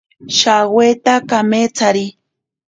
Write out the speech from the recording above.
Shaweta kametsari.